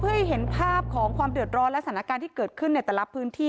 เพื่อให้เห็นภาพของความเดือดร้อนและสถานการณ์ที่เกิดขึ้นในแต่ละพื้นที่